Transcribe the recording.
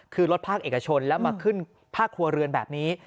คือรถภาคเอกชนแล้วมาขึ้นภาคครัวเรือนแบบนี้